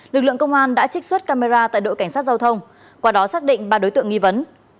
lực lượng công an đã trích xuất camera tại đội cảnh sát giao thông qua đó xác định ba đối tượng nghi vấn